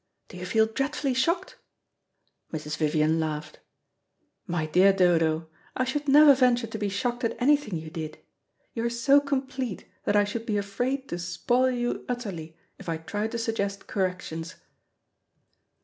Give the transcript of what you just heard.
Do you feel dreadfully shocked?" Mrs. Vivian laughed. "My dear Dodo, I should never venture to be shocked at anything you did. You are so complete that I should be afraid to spoil you utterly, if I tried to suggest corrections."